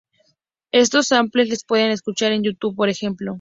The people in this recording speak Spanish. Estos samples los puedes escuchar en Youtube, por ejemplo.